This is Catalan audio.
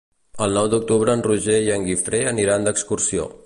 El nou d'octubre en Roger i en Guifré aniran d'excursió.